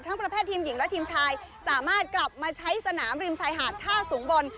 ประเภททีมหญิงและทีมชายสามารถกลับมาใช้สนามริมชายหาดท่าสูงบน